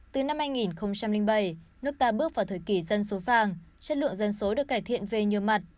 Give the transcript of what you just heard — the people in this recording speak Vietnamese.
từ năm hai nghìn bảy nước ta bước vào thời kỳ dân số vàng chất lượng dân số được cải thiện về nhiều mặt